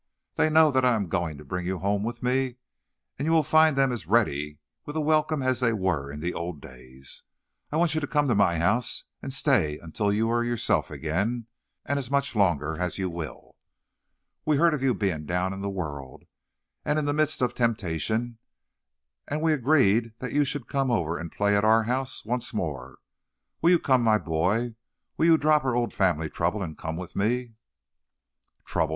They know that I am going to bring you home with me, and you will find them as ready with a welcome as they were in the old days. I want you to come to my house and stay until you are yourself again, and as much longer as you will. We heard of your being down in the world, and in the midst of temptation, and we agreed that you should come over and play at our house once more. Will you come, my boy? Will you drop our old family trouble and come with me?" "Trouble!"